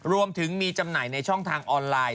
รวมถึงมีจำหน่ายในช่องทางออนไลน์